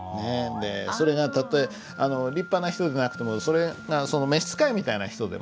でそれがたとえ立派な人でなくてもそれが召し使いみたいな人でもね。